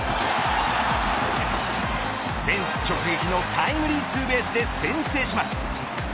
フェンス直撃のタイムリーツーベースで先制します。